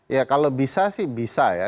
ya kalau bisa sih bisa ya